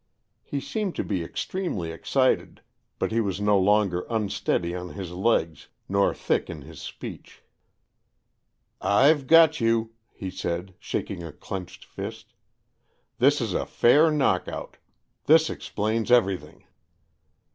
He seemed to be extremely excited, but he was no longer unsteady on his legs nor thick in his speech. " Tve got you," he said, shaking a clenched fist. " This is a fair knock out. This explains everything."